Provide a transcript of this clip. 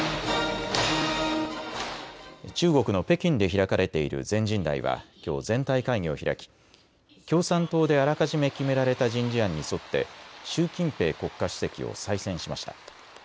中国の北京で開かれている全人代はきょう、全体会議を開き共産党であらかじめ決められた人事案に沿って習近平国家主席を再選しました。